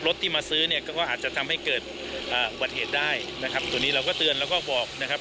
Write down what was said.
ที่มาซื้อเนี่ยก็อาจจะทำให้เกิดอุบัติเหตุได้นะครับตัวนี้เราก็เตือนแล้วก็บอกนะครับ